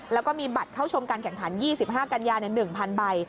แล้วก็มีบัตรเข้าชมการแข่งขัน๒๕กันยา๑๐๐ใบ